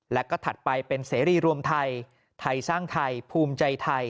และก็ถัดไปเป็นเสรีรวมไทยไทยสร้างไทยภูมิใจไทย